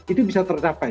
itu bisa tercapai